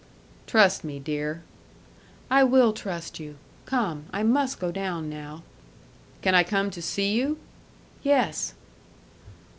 "Trust me, dear." "I will trust you. Come. I must go down now." "Can I come to see you?" "Yes."